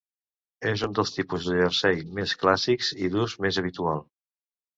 És un dels tipus de jersei més clàssics i d'ús més habitual.